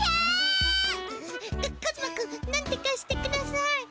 カカズマ君なんとかしてください。